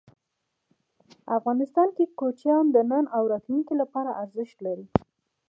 افغانستان کې کوچیان د نن او راتلونکي لپاره ارزښت لري.